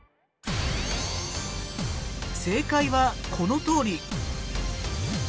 正解はこのとおり。